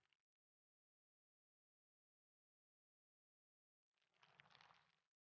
udah ke webat lingkungan geloh